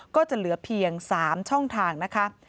ก็จะเหลือเพียง๓ช่องทางนะคะ